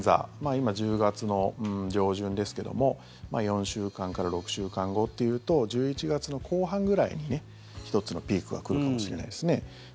今、１０月の上旬ですけども４週間から６週間後っていうと１１月の後半ぐらいにね１つのピークが来るかもしれないですね。